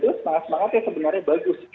terus semangat semangat yang sebenarnya bagus